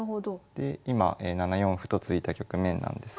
で今７四歩と突いた局面なんですけど。